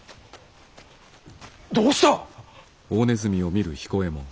どうした！？